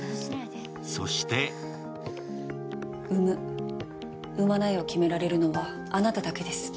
そして産む、産まないを決められるのはあなただけです。